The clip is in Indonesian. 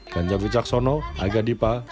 kan javi caksono aga dipakai